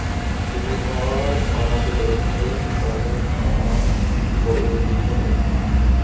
তুমিই তো আমাকে বলেছিলে, বাজে কার্ড বলে কিছু নেই।